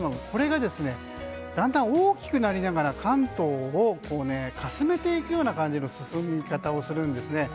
これがだんだん大きくなりながら関東をかすめていくような進み方をするんですね。